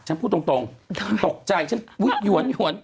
ฉันพูดตรงตกใจฉันหย่วน